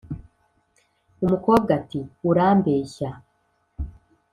umukobwa ati: “urambeshya